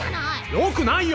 よくないよ！